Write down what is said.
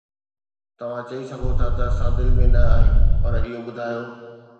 توهان چئي سگهو ٿا: "اسان دل ۾ نه آهيون؟" پر اهو ٻڌايو